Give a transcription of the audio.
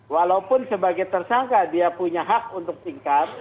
walaupun sebagai tersangka dia punya hak untuk tingkat